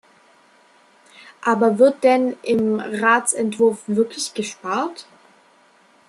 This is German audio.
Aber wird denn im Ratsentwurf wirklich gespart?